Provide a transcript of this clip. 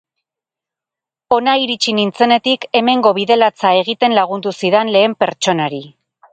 Hona iritsi nintzenetik hemengo bide latza egiten lagundu zidan lehen pertsonari.